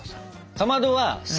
かまどは坂。